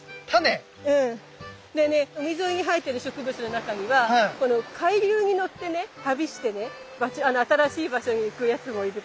でね海沿いに生えてる植物の中にはこの海流にのってね旅してね新しい場所に行くやつもいて。